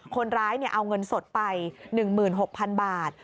คนร้ายเอาเงินสดไป๑๖๐๐๐บาท